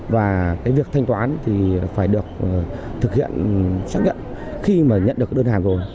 và cái việc thanh toán thì phải được thực hiện chắc nhận khi mà nhận được đơn hàng rồi